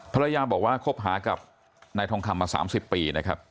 ภรรยาบอกว่าคบหากับนายทองคำมา๓๐ปีนะครับ